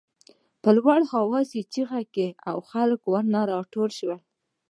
په لوړ آواز یې چغې وهلې او خلک ورنه راټول شول.